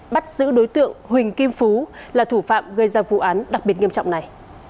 bắt giữ đối tượng huỳnh kim phú là thủ phạm gây ra vụ án đặc biệt nghiêm trọng này